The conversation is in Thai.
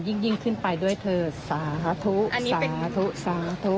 ยิ่งขึ้นไปด้วยเธอสาธุสาธุสาธุ